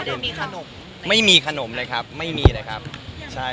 แต่ว่าไม่มีขนมไหมครับไม่มีขนมเลยครับไม่มีอะไรครับใช่